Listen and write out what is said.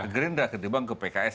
gerindra ke dibang ke pks